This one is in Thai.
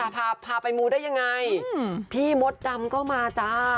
พาพาไปมูได้ยังไงพี่มดดำก็มาจ้า